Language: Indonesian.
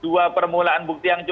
dua permulaan bukti yang cukup